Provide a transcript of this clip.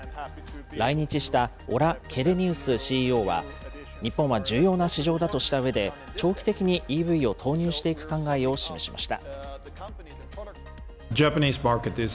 来日したオラ・ケレニウスＣＥＯは、日本は重要な市場だとしたうえで、長期的にＥＶを投入していく考えを示しました。